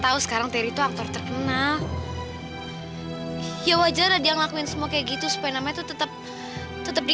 apa bener ya kata rani